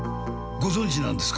ご存じなんですか？